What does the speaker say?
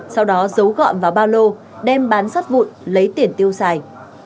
sau đó dấu gọn vào bao lô đem bán sắt vụn lấy tiền tiêu xài